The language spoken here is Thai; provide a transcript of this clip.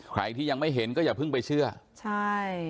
ใครที่ยังไม่เห็นก็อย่าเพิ่งไปเชื่อใช่